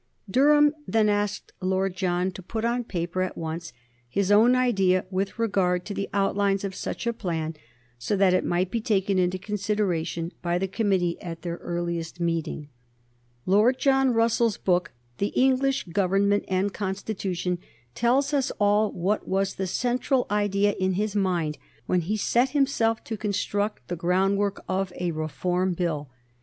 Durham then asked Lord John to put on paper at once his own idea with regard to the outlines of such a plan, so that it might be taken into consideration by the committee at their earliest meeting. [Sidenote: 1830 The Reform Bill] Lord John Russell's book, "The English Government and Constitution," tells us all what was the central idea in his mind when he set himself to construct the groundwork of a Reform Bill.